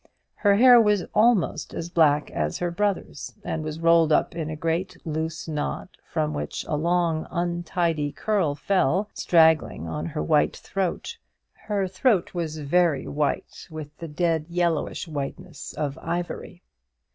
Her hair was almost as black as her brother's, and was rolled up in a great loose knot, from which a long untidy curl fell straggling on her white throat her throat was very white, with the dead, yellowish whiteness of ivory.